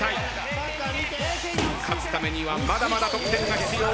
勝つためにはまだまだ得点が必要魂チーム。